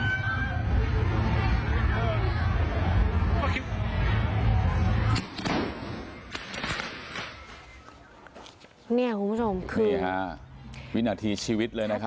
นี่คุณผู้ชมคือวินาทีชีวิตเลยนะครับ